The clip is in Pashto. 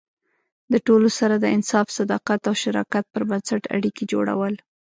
د ټولو سره د انصاف، صداقت او شراکت پر بنسټ اړیکې جوړول.